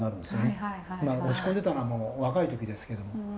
まあ落ち込んでたのはもう若い時ですけど。